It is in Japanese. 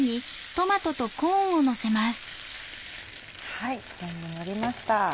はい全部のりました。